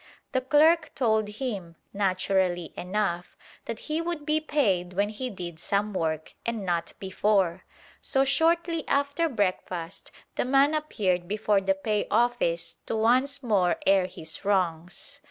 The clerk told him, naturally enough, that he would be paid when he did some work, and not before. So shortly after breakfast the man appeared before the pay office to once more air his wrongs.